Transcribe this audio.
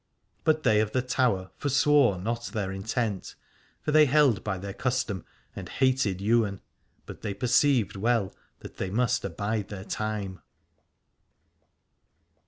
But they of the Tower forswore not their intent, for they held by their custom and hated Ywain, but they perceived well that they must abide their time.